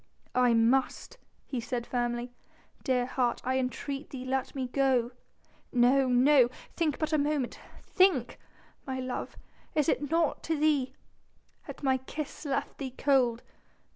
"I must," he said firmly. "Dear heart, I entreat thee let me go." "No no ... think but a moment ... think!... My love?... is it naught to thee?... Has my kiss left thee cold?...